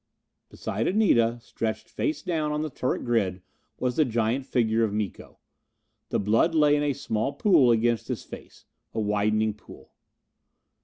Beside Anita, stretched face down on the turret grid, was the giant figure of Miko. The blood lay in a small pool against his face. A widening pool.